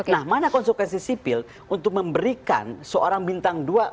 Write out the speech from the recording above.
nah mana konsekuensi sipil untuk memberikan seorang bintang dua